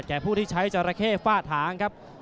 กับแก่ผู้ที่ใช้จราเข้ฝ้าทางครับ